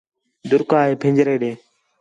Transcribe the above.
دُرکا ہے پھنجرے ݙے